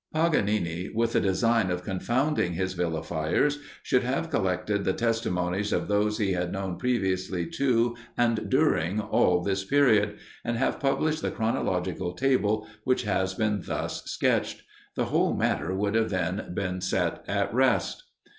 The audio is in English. Paganini, with the design of confounding his vilifiers, should have collected the testimonies of those he had known previously to and during all this period, and have published the chronological table which has been thus sketched: the whole matter would then have been set at rest.